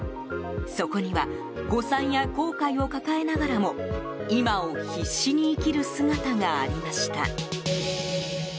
そこには誤算や後悔を抱えながらも今を必死に生きる姿がありました。